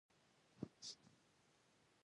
د معادلې دواړه خواوې د توازن په واسطه برابریږي.